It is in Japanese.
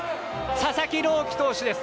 佐々木朗希投手です。